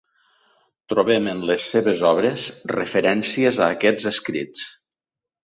Trobem en les seves obres referències a aquests escrits.